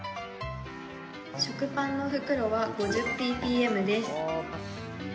食パンの袋は５０ｐｐｍです。